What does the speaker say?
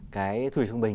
cái thu nhập trung bình